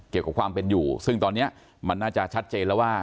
เกี่ยวกับความเป็นอยู่ซึ่งตอนนี้มันน่าจะชัดเจนแล้วว่า